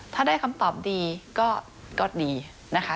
ถ้าได้คำตอบดีก็ดีนะคะ